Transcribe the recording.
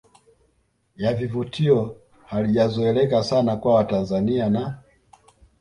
ya vivutio halijazoeleka sana kwa Watanzania na